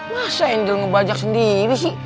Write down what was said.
masa angel ngebajak sendiri sih